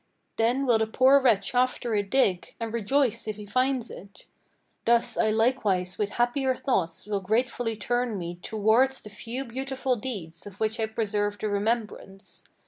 Then will the poor wretch after it dig and rejoice if he find it. Thus I likewise with happier thoughts will gratefully turn me Towards the few beautiful deeds of which I preserve the remembrance.